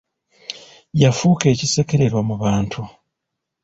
Yafuuka ekisekererwa mu bantu.